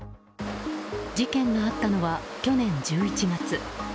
事件があったのは去年１１月。